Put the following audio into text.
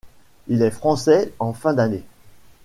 Il est français en fin d'année.